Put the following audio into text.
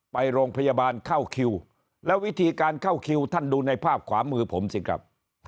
ไปโรงพยาบาลเข้าคิวแล้ววิธีการเข้าคิวท่านดูในภาพขวามือผมสิครับ